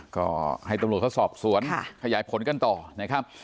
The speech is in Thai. ก็ให้ตำรวจเขาสอบสวนขยายผลกันต่อนะครับ